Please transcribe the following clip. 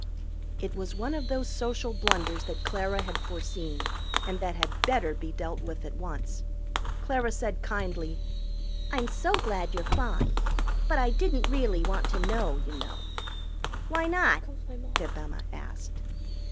It was one of those social blunders that Clara had foreseen and that had better be dealt with at once. Clara said kindly: "I'm so glad you're fine. But I didn't really want to know, you know." "Why not?" Pip Emma asked.